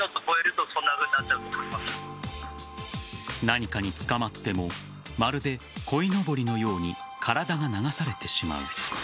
何かにつかまってもまるで、こいのぼりのように体が流されてしまう。